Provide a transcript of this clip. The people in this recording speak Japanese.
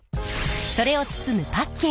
それを包むパッケージ